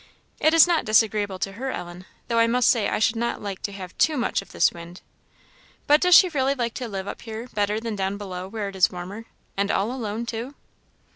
"It is not disagreeable to her, Ellen; though I must say I should not like to have too much of this wind." "But does she really like to live up here better than down below, where it is warmer? and all alone, too?"